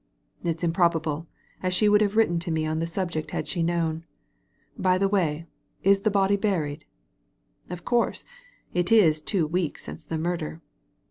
* It's improbable, as she would have written to me on the subject had she known. By the way, is the body buried ?"" Of course ; it is two weeks since the murder."